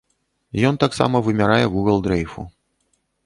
Ён таксама вымярае вугал дрэйфу.